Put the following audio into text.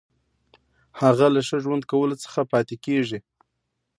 هغه له ښه ژوند کولو څخه پاتې کیږي.